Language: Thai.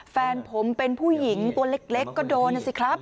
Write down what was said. แฟนผมเป็นผู้หญิงตัวเล็กก็โดนนะสิครับ